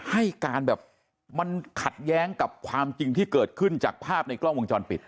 ให้การแบบมันขัดแย้งกับความจริงที่เกิดขึ้นจากภาพในกล้องวงจรปิด